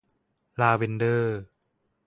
ลาเวนเดอร์